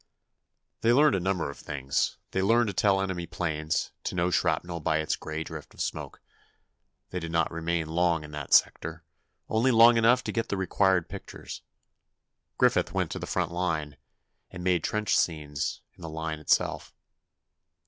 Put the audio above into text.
They learned a number of things: they learned to tell enemy planes, to know shrapnel by its gray drift of smoke. They did not remain long in that sector—only long enough to get the required pictures. Griffith went to the front line, and made trench scenes—in the line itself.